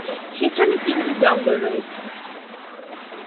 সেখানে তিনটি জঙ্গল রয়েছে।